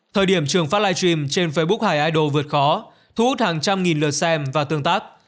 thời điểm trường phát live stream trên facebook hải idol vượt khó thu hút hàng trăm nghìn lượt xem và tương tác